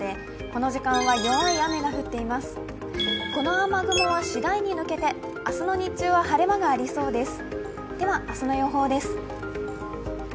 この雨雲は次第に抜けてあすの日中は晴れ間がありそうです。